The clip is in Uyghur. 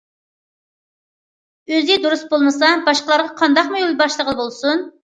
« ئۆزى دۇرۇس بولمىسا، باشقىلارغا قانداقمۇ يول باشلىغىلى بولسۇن».